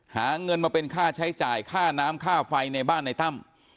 หาเงินมาเป็นค่าใช้จ่ายค่าน้ำค่าไฟในบ้านในตั้ม